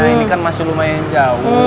ini kan masih lumayan jauh